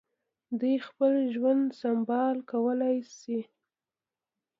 دوی خپل ژوند سمبال کولای شي.